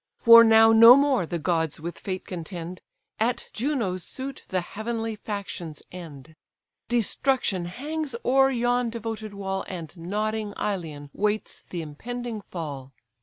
For now no more the gods with fate contend, At Juno's suit the heavenly factions end. Destruction hangs o'er yon devoted wall, And nodding Ilion waits the impending fall.